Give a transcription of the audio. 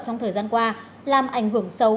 trong thời gian qua làm ảnh hưởng xấu